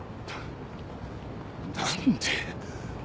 何で。